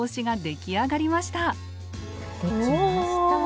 できました。